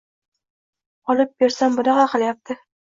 Olib bersam bunaqa qilyapti.